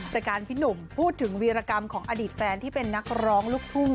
แต่การพี่หนุ่มพูดถึงวีรกรรมของอดีตแฟนที่เป็นนักร้องลูกทุ่ง